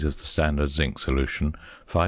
of the standard zinc solution, 5 c.